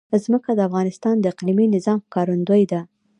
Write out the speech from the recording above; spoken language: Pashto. ځمکه د افغانستان د اقلیمي نظام ښکارندوی ده.